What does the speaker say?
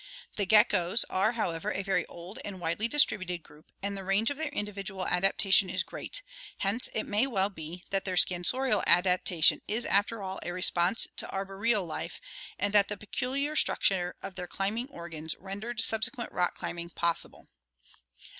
The geckoes (see Fig. 84) are, however, a very old and widely distributed group, and the range of their individual adaptation is great, hence it may well be that their scansorial adaptation is after all a response to arboreal life, and that the peculiar structure of their climbing organs rendered sub sequent rock climbing possible.